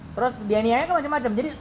terus dianiaya ke macem macem jadi